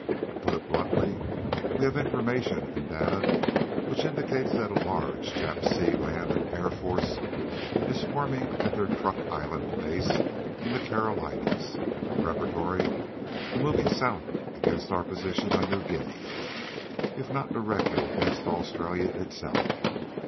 To put it bluntly, we have information and data which indicates that a large Jap sea, land, and air force is forming at their Truk Island base in the Carolinas preparatory to moving south against our positions on New Guinea, if not directly against Australia itself.